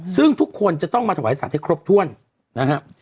ซึ่งทุกคนจะต้องมาถวายสัตว์ให้ครบถ้วนนะครับ